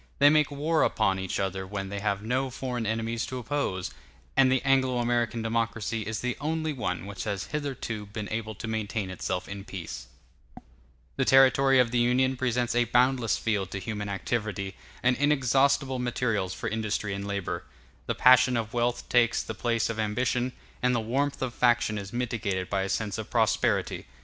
They make war upon each other when they have no foreign enemies to oppose; and the Anglo American democracy is the only one which has hitherto been able to maintain itself in peace. *m m [ [A remark which, since the great Civil War of 1861 65, ceases to be applicable.]] The territory of the Union presents a boundless field to human activity, and inexhaustible materials for industry and labor. The passion of wealth takes the place of ambition, and the warmth of faction is mitigated by a sense of prosperity.